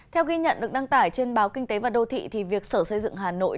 theo ghi nhận được đăng tải trên báo kinh tế và đô thị thì việc sở xây dựng hà nội